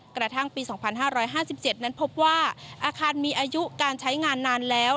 กระทั่งปี๒๕๕๗นั้นพบว่าอาคารมีอายุการใช้งานนานแล้ว